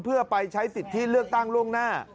เพื่อไปใช้สิทธิเลือกตั้งล่วงหน้า